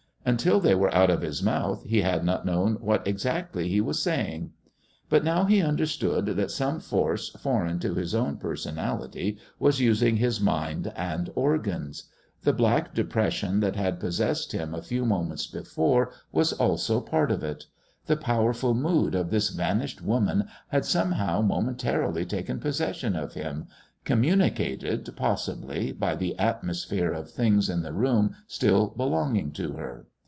Until they were out of his mouth he had not known what exactly he was saying. But now he understood that some force foreign to his own personality was using his mind and organs. The black depression that had possessed him a few moments before was also part of it. The powerful mood of this vanished woman had somehow momentarily taken possession of him communicated, possibly, by the atmosphere of things in the room still belonging to her.